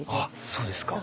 そうですか。